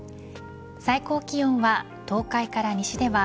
最高気温は東海から西では